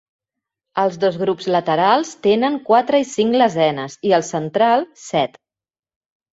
Els dos grups laterals tenen quatre i cinc lesenes i el central, set.